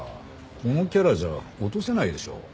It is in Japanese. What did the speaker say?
このキャラじゃ落とせないでしょ。